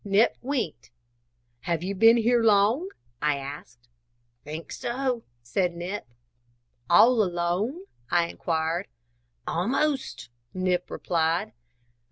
Nip winked. "Have you been here long?" I asked. "Think so," said Nip. "All alone?" I inquired. "Almost," Nip replied.